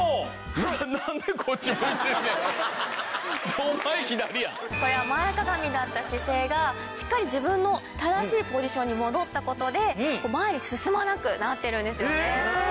これは前屈みだった姿勢がしっかり自分の正しいポジションに戻った事で前に進まなくなってるんですよね。